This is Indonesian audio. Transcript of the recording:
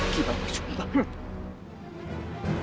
gila aku susah banget